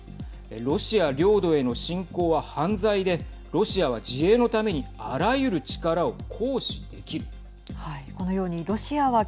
ロシア領土への侵攻は犯罪でロシアは自衛のためにあらゆる力を行使できる。